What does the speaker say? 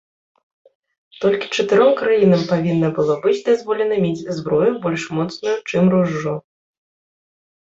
Толькі чатыром краінам павінна было быць дазволена мець зброю больш моцную, чым ружжо.